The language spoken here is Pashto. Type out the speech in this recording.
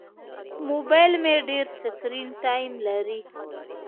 موبایل مې ډېر سکرین ټایم لري.